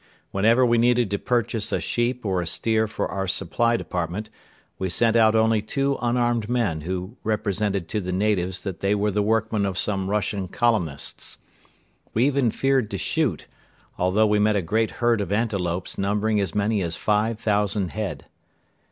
Whenever we needed to purchase a sheep or a steer for our supply department, we sent out only two unarmed men who represented to the natives that they were the workmen of some Russian colonists. We even feared to shoot, although we met a great herd of antelopes numbering as many as five thousand head.